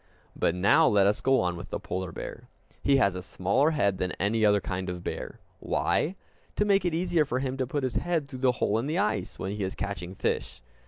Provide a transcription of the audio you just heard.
But now let us go on with the polar bear. He has a smaller head than any other kind of bear. Why? To make it easier for him to put his head through the hole in the ice, when he is catching fish.